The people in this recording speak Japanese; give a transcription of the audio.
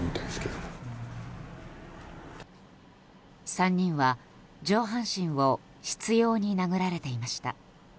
３人は上半身を執拗に殴られていました。